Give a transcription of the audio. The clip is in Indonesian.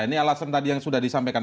ini alasan tadi yang sudah disampaikan